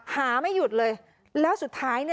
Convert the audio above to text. หาไม่หยุดเลยแล้วสุดท้ายเนี่ย